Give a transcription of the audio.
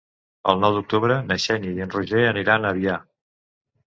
El nou d'octubre na Xènia i en Roger aniran a Avià.